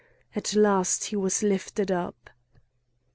At last he was lifted up.